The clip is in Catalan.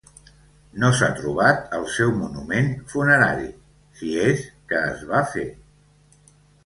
No s'ha trobat el seu monument funerari, si és que es va fer.